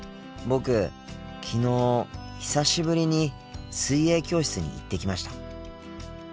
僕昨日久しぶりに水泳教室に行ってきました。